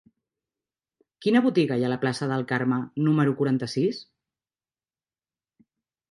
Quina botiga hi ha a la plaça del Carme número quaranta-sis?